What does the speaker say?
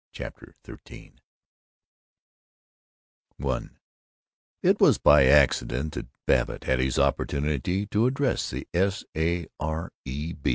CHAPTER XIII I It was by accident that Babbitt had his opportunity to address the S. A. R. E.